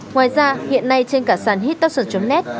ngoài ra hiện nay trên cả sàn hittoxin net